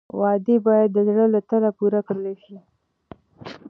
وعدې باید د زړه له تله پوره کړل شي.